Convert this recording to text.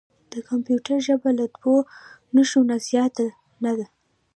د کمپیوټر ژبه له دوه نښو نه زیاته نه ده.